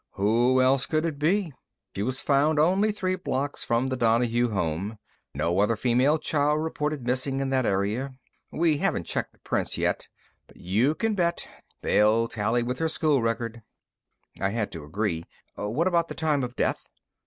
"Who else could it be? She was found only three blocks from the Donahue home. No other female child reported missing in that area. We haven't checked the prints yet, but you can bet they'll tally with her school record." I had to agree. "What about the time of death?"